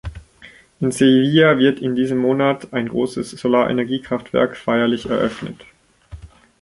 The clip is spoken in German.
In Sevilla wird in diesem Monat ein großes Solarenergiekraftwerk feierlich eröffnet.